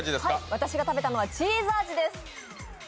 私が食べたのはチーズ味です！